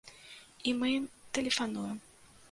І мы ім тэлефануем.